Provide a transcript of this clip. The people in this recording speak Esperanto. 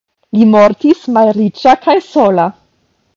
Li mortis malriĉa kaj sola.